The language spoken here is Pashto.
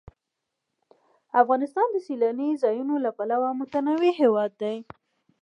افغانستان د سیلاني ځایونو له پلوه متنوع هېواد دی.